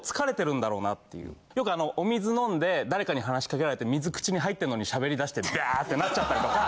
よくあのお水飲んで誰かに話しかけられて水口に入ってるのにしゃべりだしてビャーってなっちゃったりとか。